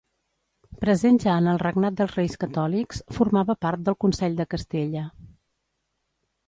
Present ja en el regnat dels Reis Catòlics, formava part del Consell de Castella.